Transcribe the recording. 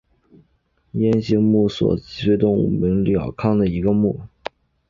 雁形目是脊索动物门鸟纲的一个目。